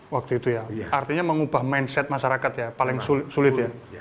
waktu itu ya artinya mengubah mindset masyarakat ya paling sulit ya